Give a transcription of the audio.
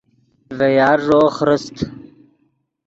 ڤے یارݱو خرست